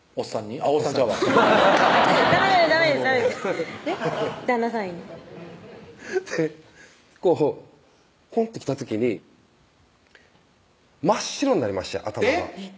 あっおっさんちゃうわダメですダメです旦那さんにこうポンって来た時に真っ白になりまして頭がえっ？